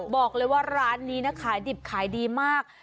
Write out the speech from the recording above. บอกเลยว่าร้านนี้นะขายดิบขายดีมาก